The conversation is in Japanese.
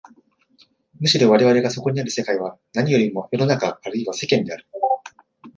むしろ我々がそこにある世界は何よりも世の中あるいは世間である。